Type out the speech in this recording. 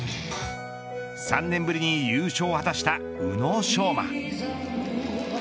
３年ぶりに優勝を果たした宇野昌磨。